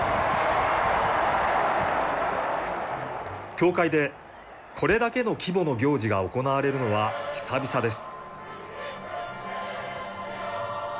教会でこれだけの規模の行事が行われるのは久々です。